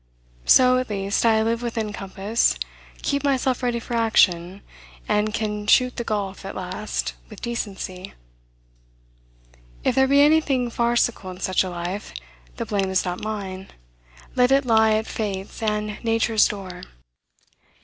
So, at least, I live within compass, keep myself ready for action, and can shoot the gulf, at last, with decency. If there be anything farcical in such a life, the blame is not mine; let it lie at fate's and nature's door."